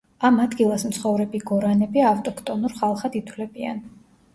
ამ ადგილას მცხოვრები გორანები ავტოქტონურ ხალხად ითვლებიან.